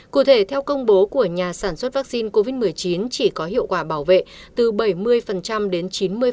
cụ thể theo công bố của nhà sản xuất vaccine covid một mươi chín chỉ có hiệu quả bảo vệ từ bảy mươi đến chín mươi